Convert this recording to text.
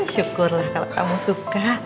syukurlah kalau kamu suka